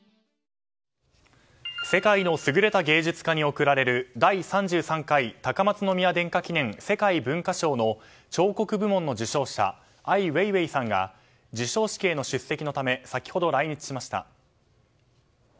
世界の優れた芸術家に贈られる第３３回高松宮殿下記念世界文化賞の彫刻部門の受賞者アイ・ウェイウェイさんが授賞式への出席のため先ほど来日しました。